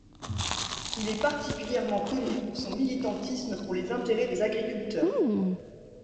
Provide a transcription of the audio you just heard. Il est particulièrement connu pour son militantisme pour les intérêts des agriculteurs.